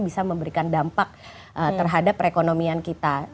bisa memberikan dampak terhadap perekonomian kita